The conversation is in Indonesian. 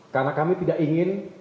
karena kami tidak ingin